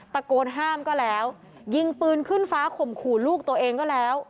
ตะโกนห้ามก็แล้วยิงปืนขึ้นฟ้าข่มขู่ลูกตัวเองก็แล้ว